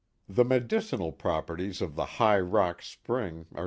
The medicinal properties of the " High Rock " spring are